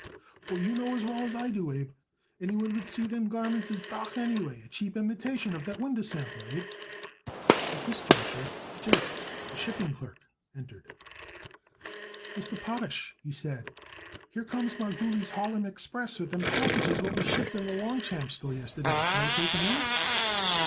For you know as well as I do, Abe, anyone would see that them garments is doch, anyway, a cheap imitation of that winder sample, Abe." At this juncture Jake, the shipping clerk, entered. "Mr. Potash," he said, "here comes Margulies' Harlem Express with them packages what we shipped it the Longchamps Store yesterday. Should I take 'em in?"